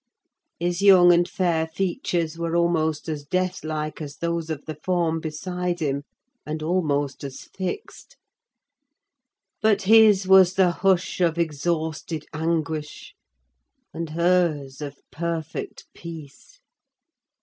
His young and fair features were almost as deathlike as those of the form beside him, and almost as fixed: but his was the hush of exhausted anguish, and hers of perfect peace.